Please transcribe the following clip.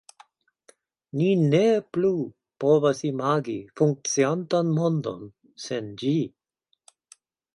Ni ne plu povas imagi funkciantan mondon sen ĝi.